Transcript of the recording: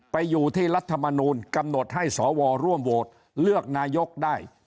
ไปอยู่ที่รัฐมนูลกำหนดให้สวร่วมโหวตเลือกนายกได้